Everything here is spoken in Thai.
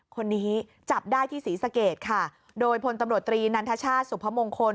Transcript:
คนนี้จับได้ที่ศรีสะเกดค่ะโดยพลตำรวจตรีนันทชาติสุพมงคล